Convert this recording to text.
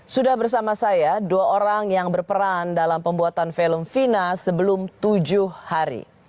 sudah bersama saya dua orang yang berperan dalam pembuatan film fina sebelum tujuh hari